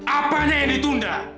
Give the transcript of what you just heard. apanya yang ditunda